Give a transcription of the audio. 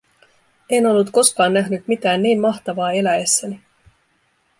En ollut koskaan nähnyt mitään niin mahtavaa eläessäni.